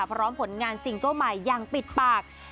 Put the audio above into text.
พร้อมผลงานสิ่งตัวใหม่อย่างปิดปาก